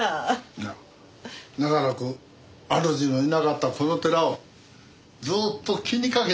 いや長らく主のいなかったこの寺をずっと気にかけてくれてた。